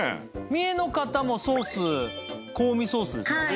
三重の方もソースコーミソースですよね？